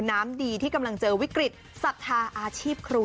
น้ำดีที่กำลังเจอวิกฤตศรัทธาอาชีพครู